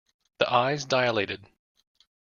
The eyes dilated.